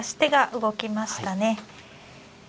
動きましたね。